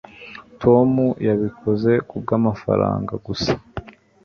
tom yabikoze kubwamafaranga gusa